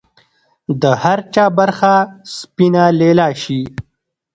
د هر چا برخه سپینه لیلا شي